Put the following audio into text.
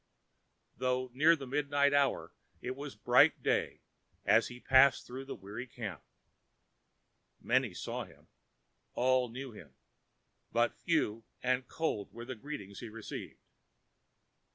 Though near the midnight hour, it was bright day as he passed through the weary camp. Many saw him, all knew him, but few and cold were the greetings he received.